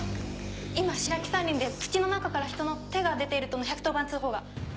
今白城山林で土の中から人の手が出ているとの１１０番通報が。